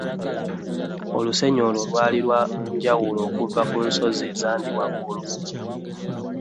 Olusenyi olwo lwali lwa njawulo okuva ku nsozi ezandi waggulu.